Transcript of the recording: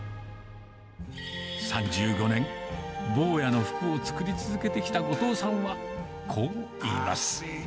３５年、坊やの服を作り続けてきた後藤さんは、こう言います。